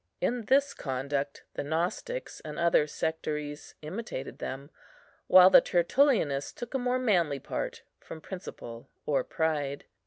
In this conduct the Gnostics and other sectaries imitated them, while the Tertullianists took a more manly part, from principle or pride.